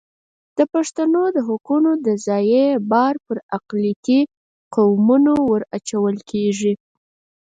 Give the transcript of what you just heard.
د پښتنو د حقونو د ضیاع بار پر اقلیتي قومونو ور اچول کېږي.